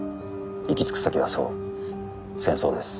行き着く先はそう戦争です。